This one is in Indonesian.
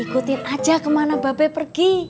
ikutin aja kemana bape pergi